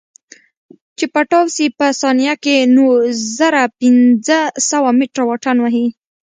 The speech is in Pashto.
چې پټاو سي په ثانيه کښې نو زره پنځه سوه مټره واټن وهي.